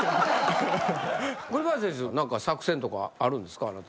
栗林選手作戦とかあるんですか？